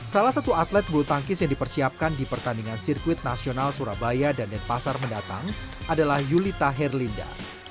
salah satu atlet bulu tangkis yang dipersiapkan di pertandingan sirkuit nasional surabaya dan denpasar mendatang adalah yulita herlinda